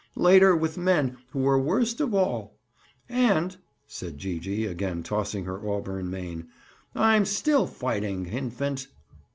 Later, with men who were worst of all. And," said Gee gee, again tossing her auburn mane, "I'm still fighting, Infant!"